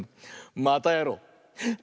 またやろう！